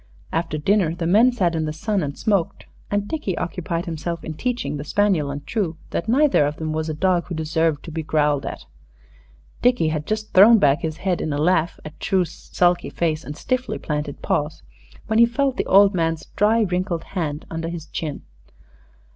After dinner the men sat in the sun and smoked, and Dickie occupied himself in teaching the spaniel and True that neither of them was a dog who deserved to be growled at. Dickie had just thrown back his head in a laugh at True's sulky face and stiffly planted paws, when he felt the old man's dry, wrinkled hand under his chin.